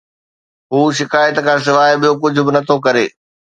هو شڪايت کان سواءِ ٻيو ڪجهه به نٿو ڪري